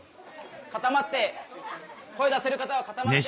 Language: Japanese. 固まって声出せる方は固まって。